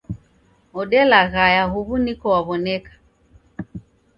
Odelaghaya huw'u niko waw'oneka